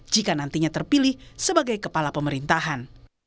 jika nantinya terpilih sebagai kepala pemerintahan